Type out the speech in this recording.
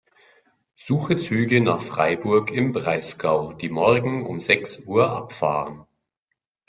Suche Züge nach Freiburg im Breisgau, die morgen um sechs Uhr abfahren.